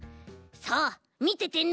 さあみててね。